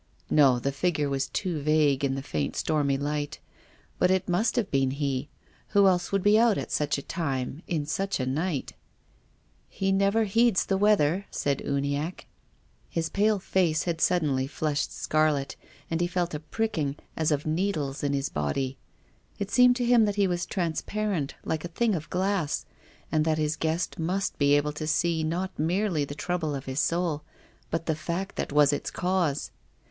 " No, the figure was too vague in the faint stormy light. But it must have been he. Who else would be out at such a time in such a night ?"" He never heeds the weather," said Uniacke. His pale face had suddenly flushed scarlet, and he felt a pricking as of needles in his body. It seemed to him that he was transparent like a thing of glass, and that his guest must be able to see not merely the trouble of his soul, but the fact that was its cause.